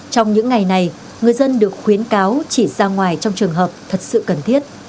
trong những ngày này người dân được khuyến cáo chỉ ra ngoài trong trường hợp thật sự cần thiết